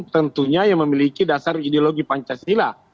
tentunya yang memiliki dasar ideologi pancasila